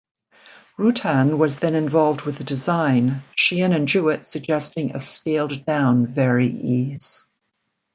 Rutan was then involved with the design; Sheehan and Jewett suggesting a scaled-down Vari-Eze.